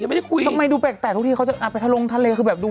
ยังไม่ได้คุยทำไมดูแปลกทุกทีเขาจะไปทะลงทะเล